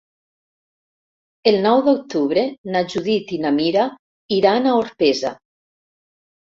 El nou d'octubre na Judit i na Mira iran a Orpesa.